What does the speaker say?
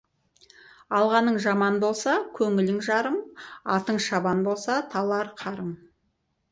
Алғаның жаман болса, көңілің жарым, атың шабан болса, талар қарың.